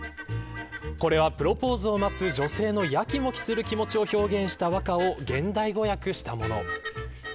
これはプロポーズを待つ女性のやきもきする気持ちを表現した和歌を現代語訳したもの。